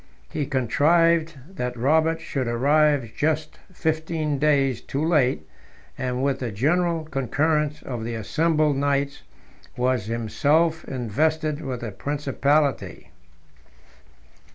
He contrived that Robert should arrive just fifteen days too late; and with the general concurrence of the assembled knights was himself invested with the principality.